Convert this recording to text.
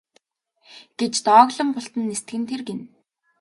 гэж дооглон бултан нисдэг нь тэр гэнэ.